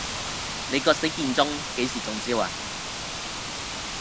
你個死健忠幾時中招呀